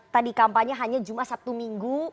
tadi kampanye hanya jumat sabtu minggu